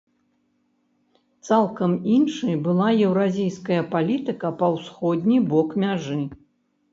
Цалкам іншай была еўразійская палітыка па ўсходні бок мяжы.